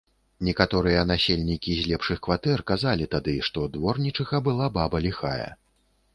Некаторыя насельнікі з лепшых кватэр казалі тады, што дворнічыха была баба ліхая.